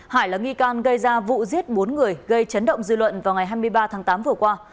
hải là nghi can gây ra vụ giết bốn người gây chấn động dư luận vào ngày hai mươi ba tháng tám vừa qua